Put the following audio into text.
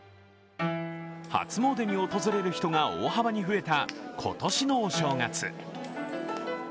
初詣に訪れる人が大幅に増えた今年のお正月。